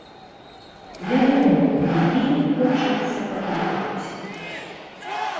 Вядома, мне вельмі хочацца паехаць.